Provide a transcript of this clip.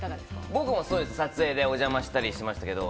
僕も撮影でお邪魔しました。